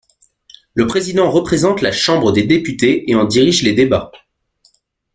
Le Président représente la Chambre des Députés et en dirige les débats.